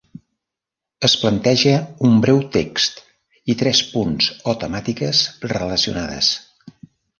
Es planteja un breu text i tres punts o temàtiques relacionades.